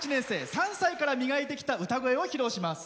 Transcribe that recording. ３歳から磨いてきた歌声を披露します。